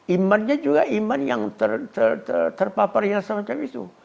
imannya juga iman yang terpaparnya seperti itu